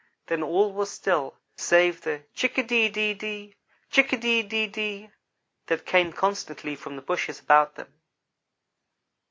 Then all was still, save the chick a de de de, chick a de de de, that came constantly from the bushes about them.